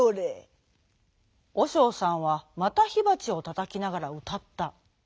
おしょうさんはまたひばちをたたきながらうたった。